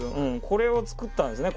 これを作ったんですね